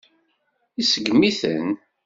Iseggem-iten.